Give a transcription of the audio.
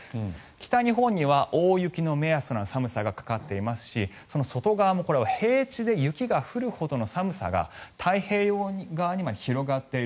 北日本には大雪の目安の寒さがかかっていますし外側も平地で雪が降るほどの寒さが太平洋側にまで広がっている。